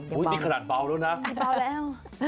อุ๊ยดิขนาดเบาแล้วนะ